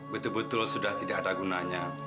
betul betul sudah tidak ada gunanya